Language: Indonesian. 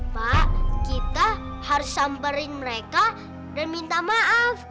pak kita harus samperin mereka dan minta maaf